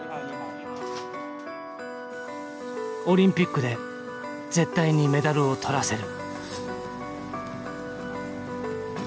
「オリンピックで絶対にメダルをとらせる」。